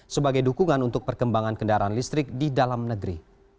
sebagai dukungan untuk perkembangan kendaraan listrik di dalam negeri